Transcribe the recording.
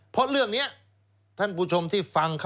เพราะเรื่องนี้ท่านผู้ชมที่ฟัง